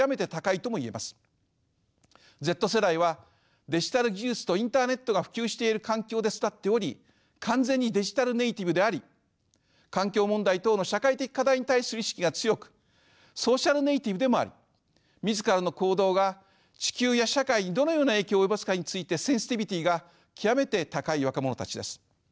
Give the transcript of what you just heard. Ｚ世代はデジタル技術とインターネットが普及している環境で育っており完全にデジタルネイティブであり環境問題等の社会的課題に対する意識が強くソーシャルネイティブでもあり自らの行動が地球や社会にどのような影響を及ぼすかについてセンシティビティーが極めて高い若者たちです。